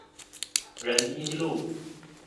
仁一路